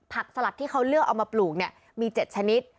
สลัดที่เขาเลือกเอามาปลูกเนี่ยมี๗ชนิด